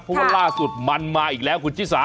เพราะว่าล่าสุดมันมาอีกแล้วคุณชิสา